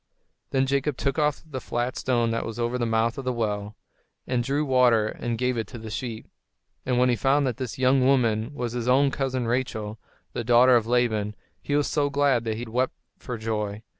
Then Jacob took off the flat stone that was over the mouth of the well, and drew water and gave it to the sheep. And when he found that this young woman was his own cousin Rachel, the daughter of Laban, he was so glad that he wept for joy.